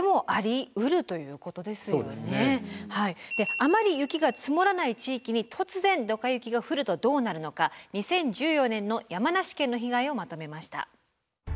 あまり雪が積もらない地域に突然ドカ雪が降るとどうなるのか２０１４年の山梨県の被害をまとめました。